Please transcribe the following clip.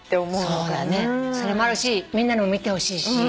それもあるしみんなにも見てほしいし。